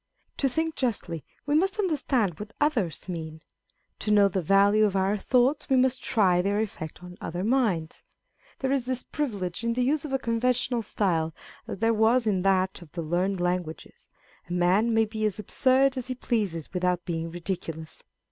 To think justly, we must understand what others mean : to know the value of our thoughts, we must try their effect on other minds. There is this privilege in the use of a conven tional style, as there was in that of the learned languages a man may be as absurd as he pleases without being ridiculous.